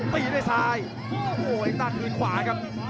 ตีด้วยซ้ายเอ็กต้าตีดขวาครับ